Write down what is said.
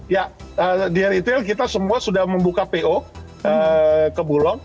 ya di retail kita semua sudah membuka po ke bulog